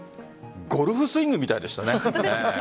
ゴルフスイングみたいでしたね。